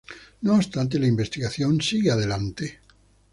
No obstante, la investigación sigue adelante.